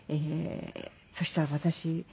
そしたら私。